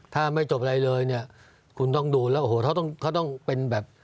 ถ้าไม่จบอะไรเลยเนี่ยคุณต้องดูแล้วโอ้โหเขาต้องเขาต้องเป็นแบบ